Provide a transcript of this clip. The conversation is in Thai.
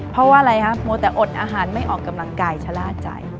เพราะฮะโหมดแต่อดอาหารไม่ออกกำลังกายชะลาดใจ